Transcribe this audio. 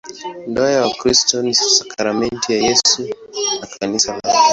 Ndoa ya Wakristo ni sakramenti ya Yesu na Kanisa lake.